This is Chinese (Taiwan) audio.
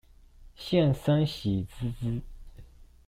現身喜滋滋